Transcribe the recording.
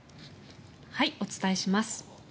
お伝えします。